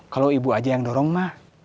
kalau ibu aja yang dorong mah